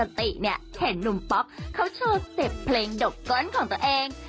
ปกติเงี่ยเห็นนุมป๊อกเค้าโชว์เต็มเพลงดกตของตัวเอง